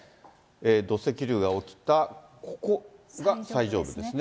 土石流が起きたここが最上部ですね。